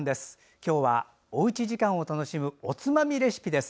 今日はおうち時間を楽しむおつまみレシピです。